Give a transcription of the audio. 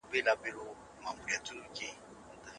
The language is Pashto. دا د ژوند معنی ده.